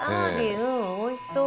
うんおいしそう。